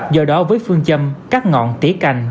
do đó với phương châm cắt ngọn tỉ cành